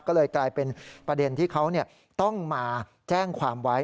ก็เลยกลายเป็นประเด็นที่เขาต้องมาแจ้งความไว้